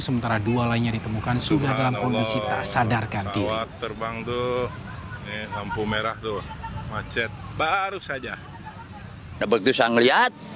sementara dua lainnya ditemukan sudah dalam kondisi tak sadarkan